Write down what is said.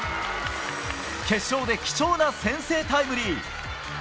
決勝で貴重な先制タイムリー！